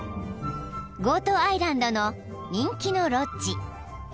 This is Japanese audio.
［ゴートアイランドの人気のロッジ］